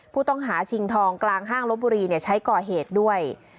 ผู้ต้องหาชิงทองกลางห้างลบบุรีใช้ก่อเหตุด้วย